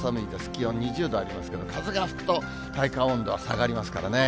気温２０度ありますけど、風が吹くと、体感温度は下がりますからね。